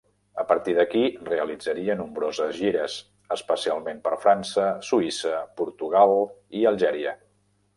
A partir d'aquí realitzaria nombroses gires, especialment per França, Suïssa, Portugal i Algèria.